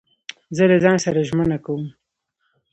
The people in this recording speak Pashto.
زه له ځان سره ژمنه کوم.